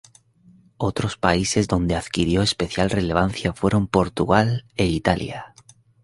Otros países donde adquirió especial relevancia fueron Portugal e Italia.